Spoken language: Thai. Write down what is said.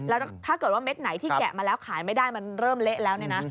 แล้วถ้าเกิดว่าเม็ดไหนที่แกะมาแล้วขายไม่ได้มันเริ่มเละแล้วเนี่ยนะ